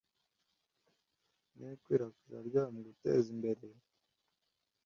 n’ikwirakwira ryayo, muguteza imbere